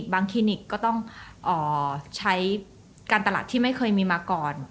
คลินิกก็ต้องใช้การตลาดที่ไม่เคยมีมาก่อน